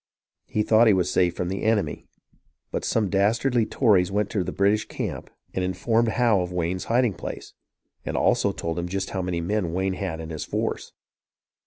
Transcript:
He thought he was safe from the enemy ; but some dastardly Tories went to the British camp and in formed Howe of Wayne's hiding place, and also told him just how many men Wayne had in his force.